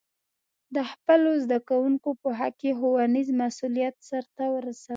د خپلو زده کوونکو په حق کې ښوونیز مسؤلیت سرته ورسوي.